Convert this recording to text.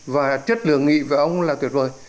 và chất lượng nghị về ông là tuyệt vời